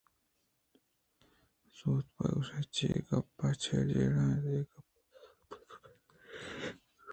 زوت بہ گوٛش چے گپے ؟ چے جیڑہ اَنت؟ اے گپ ءَ تو سرپد بہ بئے